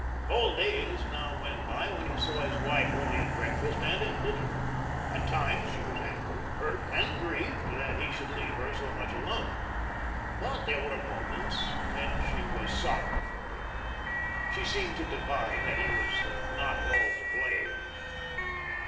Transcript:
Whole days now went by when he saw his wife only at breakfast and at dinner. At times she was angry, hurt, and grieved that he should leave her so much alone. But there were moments when she was sorry for him. She seemed to divine that he was not all to blame.